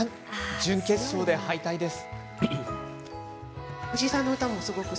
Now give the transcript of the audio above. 準決勝で敗退です。